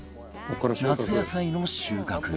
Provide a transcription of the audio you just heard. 夏野菜の収穫へ